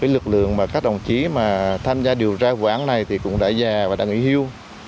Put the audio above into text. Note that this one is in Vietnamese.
lực lượng các đồng chí tham gia điều tra vụ án này cũng đã già và đã nguy hiu